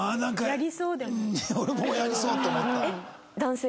俺もやりそうって思った。